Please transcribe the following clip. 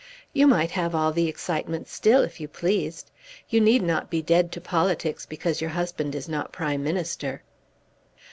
"You might have all the excitement still, if you pleased. You need not be dead to politics because your husband is not Prime Minister."